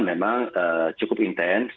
memang cukup intens